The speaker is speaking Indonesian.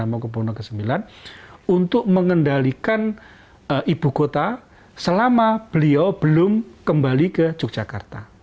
amangkubono ke sembilan untuk mengendalikan perjuangan politik soekarno dan kawan kawan yang berada di yogyakarta dan belanda harus mengembalikan tahanan politik soekarno dan kawan kawan ke yogyakarta